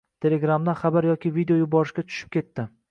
Telegramdan xabar yoki video yuborishga tushib ketdi.